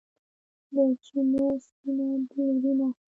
د چېنو سپینه بلورینه خندا